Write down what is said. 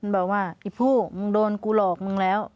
บอกว่าไอ้ผู้โดนเราหลอกแล้ว